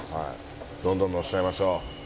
どんどんのせちゃいましょう。